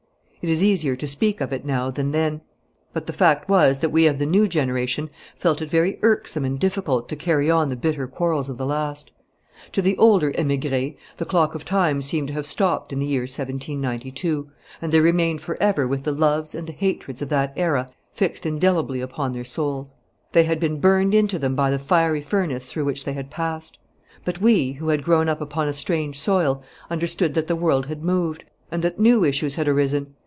It is easier to speak of it now than then, but the fact was that we of the new generation felt it very irksome and difficult to carry on the bitter quarrels of the last. To the older emigres the clock of time seemed to have stopped in the year 1792, and they remained for ever with the loves and the hatreds of that era fixed indelibly upon their souls. They had been burned into them by the fiery furnace through which they had passed. But we, who had grown up upon a strange soil, understood that the world had moved, and that new issues had arisen.